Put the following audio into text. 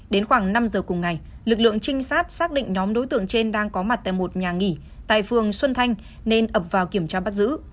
đến khoảng năm giờ cùng ngày lực lượng trinh sát xác định nhóm đối tượng trên đang có mặt tại một nhà nghỉ tại phường xuân thanh nên ập vào kiểm tra bắt giữ